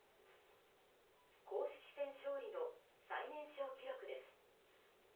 公式戦勝利の最年少記録です。